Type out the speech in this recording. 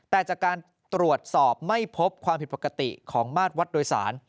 แต่จากการตรวจสอบไม่พบความผิดปกติของมาตรวัดโดยสาร